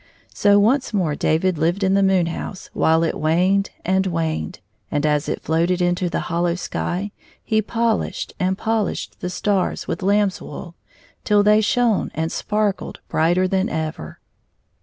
So once more David lived in the moon house while it waned and waned, and as it floated in the hollow sky he polished and poUshed the stars with lamb's wool till they shone and sparkled brighter than ever.